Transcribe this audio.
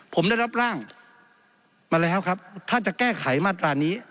ผมได้รับร่างมาแล้วครับถ้าจะแก้ไขมาตรานี้